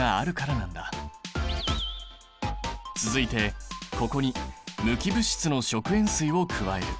続いてここに無機物質の食塩水を加える。